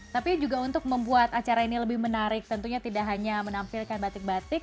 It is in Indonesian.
tapi juga untuk membuat acara ini lebih menarik tentunya tidak hanya menampilkan batik batik